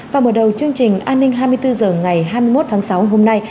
và mở đầu chương trình an ninh hai mươi bốn h ngày hai mươi một tháng sáu hôm nay